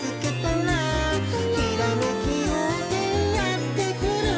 「ひらめきようせいやってくる」